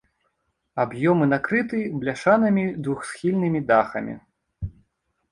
Аб'ёмы накрыты бляшанымі двухсхільнымі дахамі.